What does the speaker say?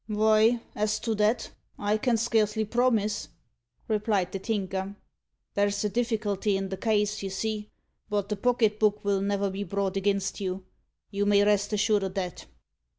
"Vy, as to that, I can scarcely promise," replied the Tinker; "there's a difficulty in the case, you see. But the pocket book'll never be brought aginst you you may rest assured o' that."